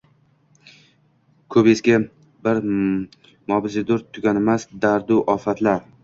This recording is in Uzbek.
Koʻb eski bir muborizdur, tuganmas dardu ofat-la